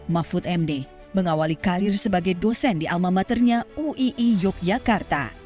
mahfud md mengawali karir sebagai dosen di almamaternya uii yogyakarta